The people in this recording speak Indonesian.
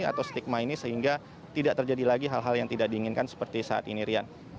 atau stigma ini sehingga tidak terjadi lagi hal hal yang tidak diinginkan seperti saat ini rian